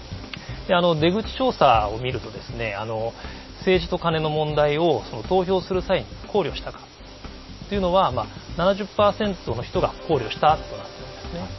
出口調査を見ると、政治とカネの問題を投票する際に考慮したかというのは、７０％の人が考慮したとなっているんですね。